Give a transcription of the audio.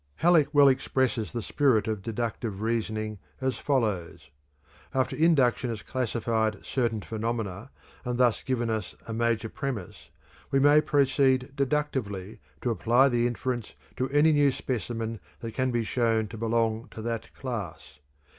Halleck well expresses the spirit of deductive reasoning as follows: "After induction has classified certain phenomena and thus given us a major premise, we may proceed deductively to apply the inference to any new specimen that can be shown to belong to that class.